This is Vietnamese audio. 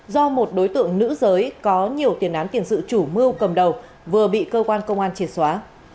do một đối tượng nữ giới có nhiều tiền án tiền sự chủ mưu cầm đầu vừa bị cơ quan công an triệt xóa